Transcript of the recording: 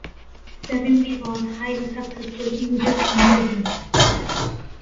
Savimbi was highly successful in this endeavour.